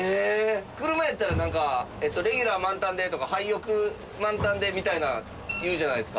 車やったら「レギュラー満タンで」とか「ハイオク満タンで」みたいな言うじゃないですか。